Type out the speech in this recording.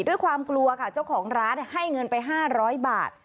ด้วยความกลัวค่ะเจ้าของร้านให้เงินไป๕๐๐บาท